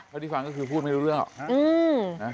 ที่ฟังก็คือพูดไม่รู้เรื่องหรอก